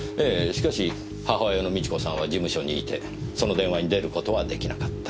しかし母親の美智子さんは事務所にいてその電話に出る事は出来なかった。